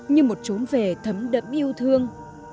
như một trốn về thấm đẫm yêu thương